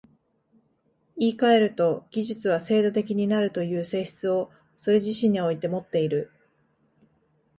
言い換えると、技術は制度的になるという性質をそれ自身においてもっている。